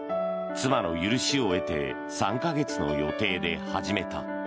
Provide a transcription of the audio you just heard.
妻の許しを得て３か月の予定で始めた。